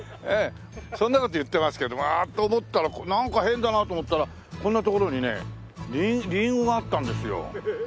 そんな事言ってますけどと思ったらなんか変だなと思ったらこんなところにねリンゴがあったんですよ。